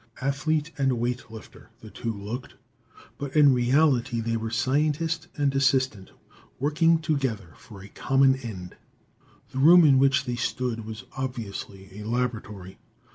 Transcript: Athlete and weight lifter, the two looked, but in reality they were scientist and assistant, working together for a common end. The room in which they stood was obviously a laboratory.